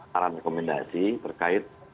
saran rekomendasi terkait